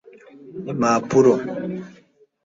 impapuro